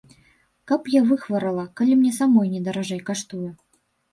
Каб я выхварала, калі мне самой не даражэй каштуе!